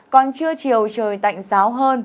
còn trưa chiều trời tạnh giáo hơn